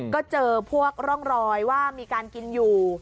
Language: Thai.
ก็เจอพวกร่องรอยว่ามีการกินอยู่